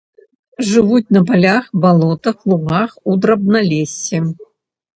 Жывуць на палях, балотах, лугах, у драбналессі.